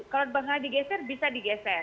kalau benar benar digeser bisa digeser